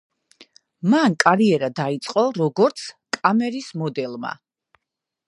მან კარიერა დაიწყო როგორც „კამერის მოდელმა“.